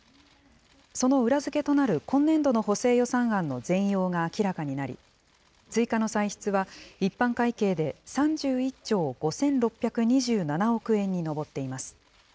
その裏付けとなる今年度の補正予算案の全容が明らかになり、追加の歳出は、一般会計で３１兆５６２７億円に上っています。